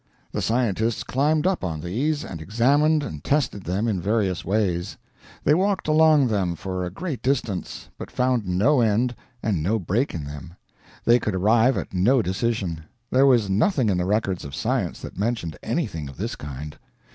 The scientists climbed up on these and examined and tested them in various ways. They walked along them for a great distance, but found no end and no break in them. They could arrive at no decision. There was nothing in the records of science that mentioned anything of this kind.